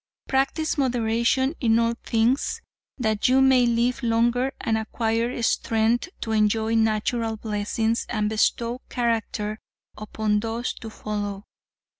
"Practice moderation in all things that you may live longer and acquire strength to enjoy natural blessings and bestow character upon those to follow.